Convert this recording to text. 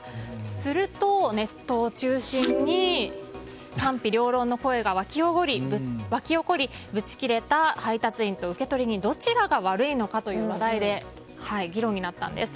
すると、ネットを中心に賛否両論の声が沸き起こりブチキレた配達員と受取人どちらが悪いのかという話題で議論になったんです。